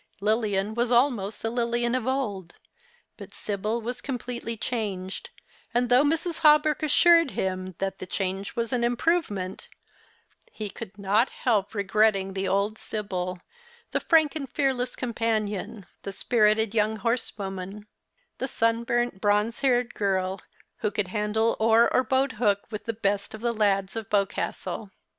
Lilian was almost the Lilian of old. But Sibyl was completely changed ; and though Mrs. Hawberk assured him that the change was an improvement, he could not help The Christmas Hirelings. 71 regretting the old Sibyl, the frank and fearless com panion, the spirited young horse\\oman, the sunburnt, bronze haired girl who could handle oar or boat hook with the best of the lads of Boscastle.